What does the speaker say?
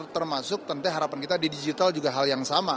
termasuk tentunya harapan kita di digital juga hal yang sama